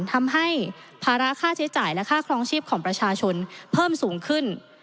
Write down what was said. ทำให้ภาระค่าใช้จ่ายและค่าครองชีพของประชาชนเพิ่มสูงขึ้น